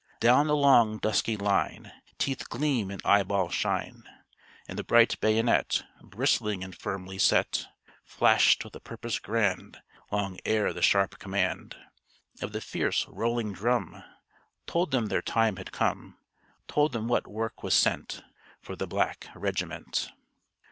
Down the long dusky line Teeth gleam and eyeballs shine; And the bright bayonet, Bristling and firmly set, Flashed with a purpose grand, Long ere the sharp command Of the fierce rolling drum Told them their time had come, Told them what work was sent For the black regiment.